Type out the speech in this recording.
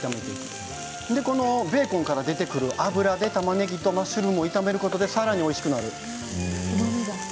それでベーコンから出てくる脂はたまねぎとマッシュルームを炒めることでさらにおいしくなる。